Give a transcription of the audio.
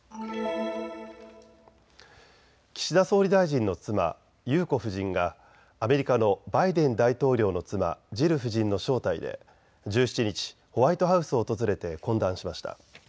岸田総理大臣の妻、裕子夫人がアメリカのバイデン大統領の妻、ジル夫人の招待で１７日、ホワイトハウスを訪れて懇談しました。